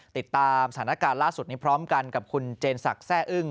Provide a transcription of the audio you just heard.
ติดตามสถานการณ์ล่าสุดนี้พร้อมกันกับคุณเจนศักดิ์แซ่อึ้ง